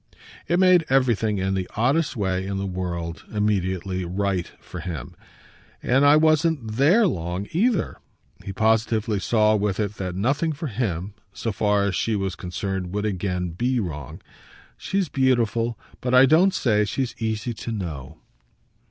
It made everything, in the oddest way in the world, immediately right for him. "And I wasn't THERE long, either." He positively saw with it that nothing for him, so far as she was concerned, would again be wrong. "She's beautiful, but I don't say she's easy to know."